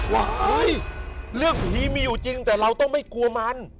เรื่องผีมีอยู่จริงแต่เราต้องไม่กลัวมัน